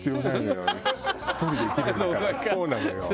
そうなのよ。